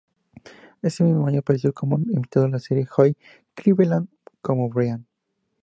Ese mismo año apareció como invitado en la serie Hot in Cleveland como Brian.